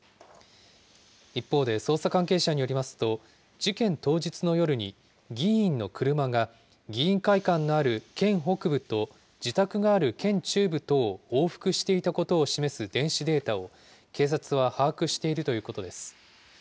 一方で捜査関係者によりますと、事件当日の夜に、議員の車が議員会館のある県北部と自宅がある県中部とを往復していたことを示す電子データを、警察は把握しているということです。